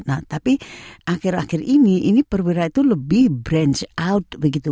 nah tapi akhir akhir ini ini perwira itu lebih branch out begitu